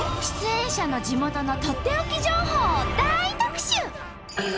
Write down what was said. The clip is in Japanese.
出演者の地元のとっておき情報を大特集！